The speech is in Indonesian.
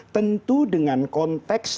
tentu dengan konteks